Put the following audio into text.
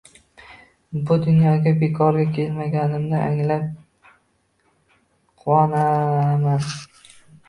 Bu dunyoga bekorga kelmaganimni anglab, quvonaman